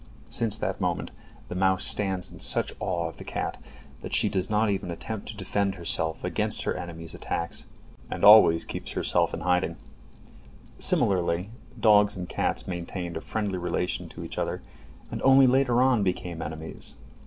Since that moment the mouse stands in such awe of the cat that she does not even attempt to defend herself against her enemy's attacks, and always keeps herself in hiding. Similarly dogs and cats maintained a friendly relation to each other, and only later on became enemies.